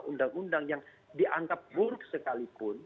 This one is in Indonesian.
undang undang yang dianggap buruk sekalipun